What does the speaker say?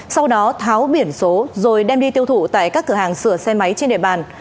sau đó tháo biển số rồi đem đi tiêu thụ tại các cửa hàng sửa xe máy trên địa bàn